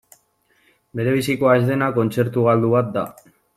Berebizikoa ez dena kontzertu galdu bat da.